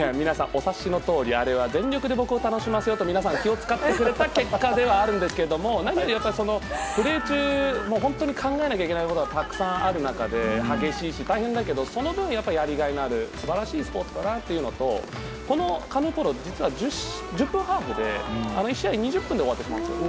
お察しのとおり、あれは全力で僕を楽しませようと皆さんが気を使ってくれた結果ではあるんですが、プレー中本当に考えなきゃいけないことがたくさんある中で、激しいし大変だけど、その分やりがいのある素晴らしいスポーツだなっていうのとこのカヌーポロ実は１０分ハーフで１試合２０分で終わってしまうんです。